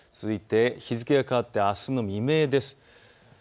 続いて日付が変わってあすの未明です。